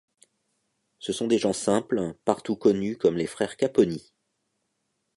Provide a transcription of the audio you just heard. Ce sont des gens simples partout connus comme les frères Caponi.